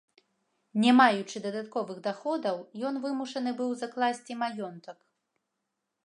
Не маючы дадатковых даходаў, ён вымушаны быў закласці маёнтак.